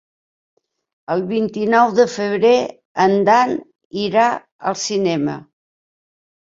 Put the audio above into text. El vint-i-nou de febrer en Dan irà al cinema.